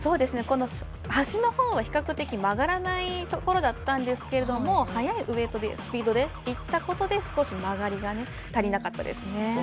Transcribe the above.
この端のほうは比較的曲がらないところだったんですけど速いスピードでいったことで少し曲がりが足りなかったですね。